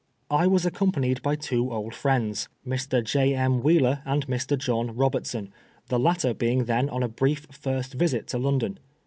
I was accompanied by two old friends, Mr. 26 PBISONEB FOB BLASPHEliY. J. M. Wheeler and Mr. John Robertson, the latter being then on a brief first visit to London.